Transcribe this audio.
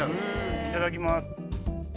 いただきます。